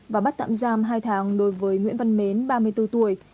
và bắt tạm giam hai tháng đối với nguyễn văn mến ba mươi bốn tuổi